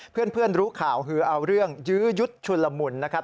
เพื่อนรู้ข่าวคือเอาเรื่องยื้อยุดชุนละมุนนะครับ